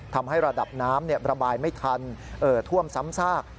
ทำให้ระดับน้ำระบายไม่ทันท่วมซ้ำซาก